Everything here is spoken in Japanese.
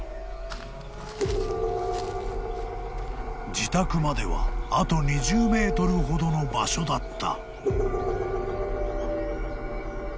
［自宅まではあと２０ｍほどの場所だった］